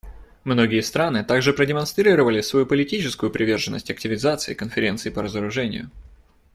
Многие страны также продемонстрировали свою политическую приверженность активизации Конференции по разоружению.